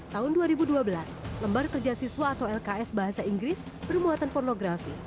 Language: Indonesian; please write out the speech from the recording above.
tahun dua ribu dua belas lembar kerja siswa atau lks bahasa inggris bermuatan pornografi